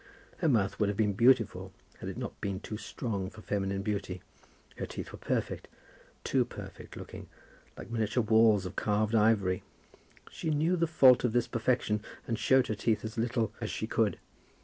Her mouth would have been beautiful had it not been too strong for feminine beauty. Her teeth were perfect, too perfect, looking like miniature walls of carved ivory. She knew the fault of this perfection, and shewed her teeth as little as she could.